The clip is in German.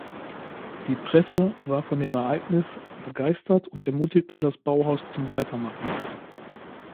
Die Presse war von dem Ereignis begeistert und ermutigte das Bauhaus zum Weitermachen.